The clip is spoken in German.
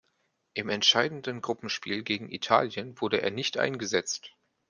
Im entscheidenden Gruppenspiel gegen Italien wurde er nicht eingesetzt.